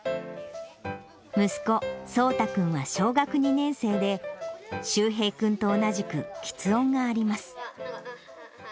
息子、創大君は小学２年生で、柊平君と同じくきつ音があります。